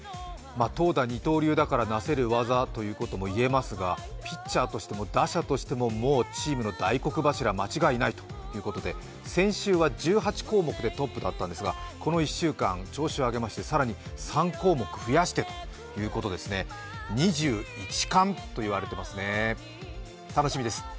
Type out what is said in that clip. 投打二刀流だからなせる業ということも言えますが、ピッチャーとしても打者としても、もうチームの大黒柱間違いないということで、先週は１８項目でトップだったんですがこの１週間、調子を上げまして更に３項目増やしまして２１冠といわれていますね、楽しみです。